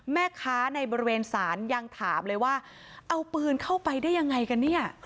แม่ค้าในบริเวณศาลยังถามเลยว่าเอาปืนเข้าไปได้ยังไงกันเนี่ย